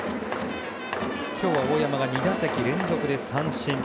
今日は大山が２打席連続で三振。